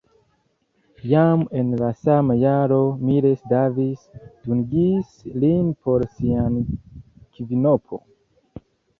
Jam en la sama jaro Miles Davis dungis lin por sia kvinopo.